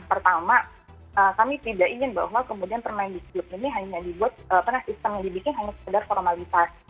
pertama kami tidak ingin bahwa kemudian permendikbud ini hanya dibuat karena sistem yang dibikin hanya sekedar formalitas